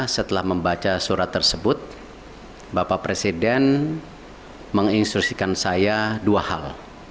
setelah membaca surat tersebut bapak presiden menginstrusikan saya dua hal